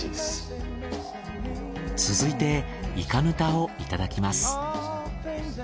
続いてイカぬたをいただきます。